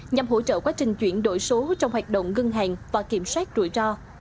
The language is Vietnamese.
nhằm hỗ trợ quá trình chuyển đổi số trong hoạt động ngân hàng và kiểm soát rủi ro